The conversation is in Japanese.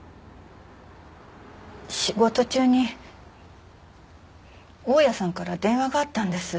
仕事中に大家さんから電話があったんです。